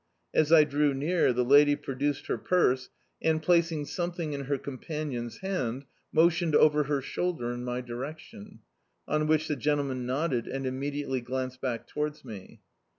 As I drew near the lady produced her purse, and, placing something in her companion's hand, motioned over her shoulder in my direction. On which the gentle man nodded, and immediately glanced back towards me.